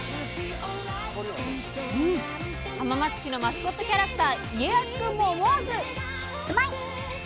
浜松市のマスコットキャラクター家康くんも思わず。